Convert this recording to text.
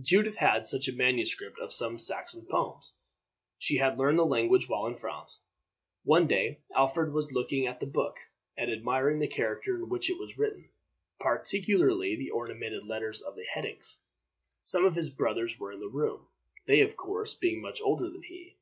Judith had such a manuscript of some Saxon poems. She had learned the language while in France. One day Alfred was looking at the book, and admiring the character in which it was written, particularly the ornamented letters at the headings. Some of his brothers were in the room, they, of course, being much older than he.